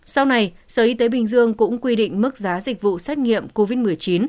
sau này sở y tế bình dương cũng quy định mức giá dịch vụ xét nghiệm covid một mươi chín